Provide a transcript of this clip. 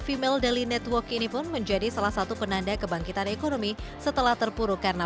female dali network ini pun menjadi salah satu penanda kebangkitan ekonomi setelah terpuruk karena